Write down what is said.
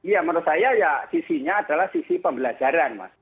ya menurut saya ya sisinya adalah sisi pembelajaran mas